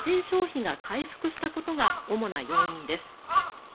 消費が回復したことが主な要因です。